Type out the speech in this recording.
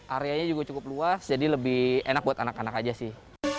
areanya juga cukup luas jadi lebih enak buat anak anak aja sih